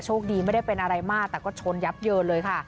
คดีไม่ได้เป็นอะไรมากแต่ก็ชนยับเยินเลยค่ะ